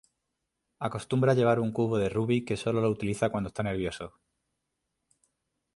Acostumbra llevar un cubo de rubik que solo lo utiliza cuando esta nervioso.